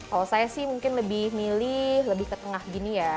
kalau saya sih mungkin lebih milih lebih ke tengah gini ya